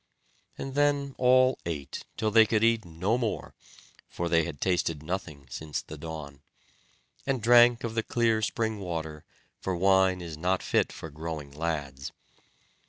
And then all ate till they could eat no more (for they had tasted nothing since the dawn), and drank of the clear spring water, for wine is not fit for growing lads.